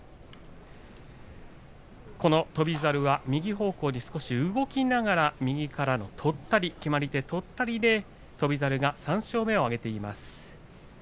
翔猿は右方向に少し動きながら右からのとったり決まり手をとったりで翔猿が３勝目を挙げました。